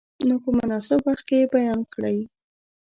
نو په مناسب وخت کې یې بیان کړئ.